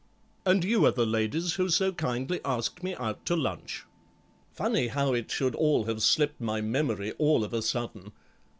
And you are the ladies who so kindly asked me out to lunch. Funny how it should all have slipped my memory, all of a sudden.